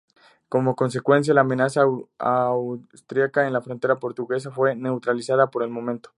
Como consecuencia la amenaza austracista en la frontera portuguesa fue neutralizada por el momento.